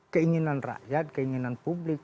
keinginan rakyat keinginan publik